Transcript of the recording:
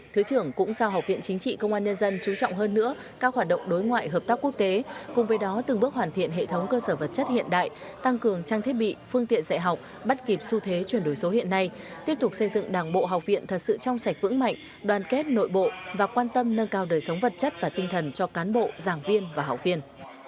thứ trưởng cũng sao học viện chính trị công an nhân dân chú trọng hơn nữa các hoạt động đối ngoại hợp tác quốc tế cùng với đó từng bước hoàn thiện hệ thống cơ sở vật chất hiện đại tăng cường trang thiết bị phương tiện dạy học bắt kịp su thế chuyển đổi số hiện nay tiếp tục xây dựng đảng bộ học viện thật sự trong sạch vững mạnh đoàn kết nội bộ và quan tâm nâng cao đời sống vật chất và tinh thần cho cán bộ giảng viên và học viên